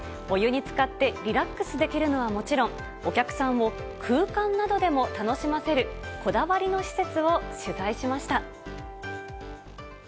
お湯につかってリラックスできるのはもちろん、お客さんを空間などでも楽しませる、こだわりの施設を取材しました。